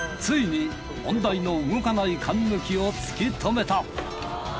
ついに問題の動かないカンヌキを突き止めた。